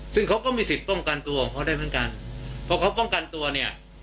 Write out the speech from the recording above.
ซึ่งเขาก็มีสิทธิ์ป้องกันตัวของเขาได้เหมือนกันเพราะเขาป้องกันตัวเนี่ย